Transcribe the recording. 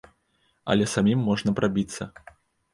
Але самім можна прабіцца.